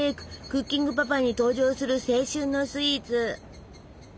「クッキングパパ」に登場する青春のスイーツ！